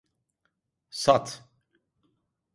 Sat!